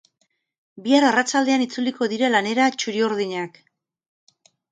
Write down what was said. Bihar arratsaldean itzuliko dira lanera txuri-urdinak.